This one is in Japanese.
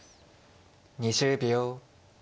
２０秒。